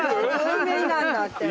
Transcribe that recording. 有名なんだって。